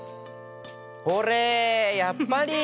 ほれやっぱり！